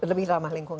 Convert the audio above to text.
lebih ramah lingkungan